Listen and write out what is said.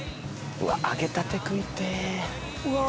うわっ揚げたて食いてえ。